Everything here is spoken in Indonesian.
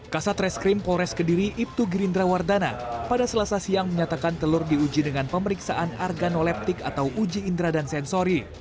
kasat reskrim polres kediri ibtu gerindra wardana pada selasa siang menyatakan telur diuji dengan pemeriksaan arganoleptik atau uji indra dan sensori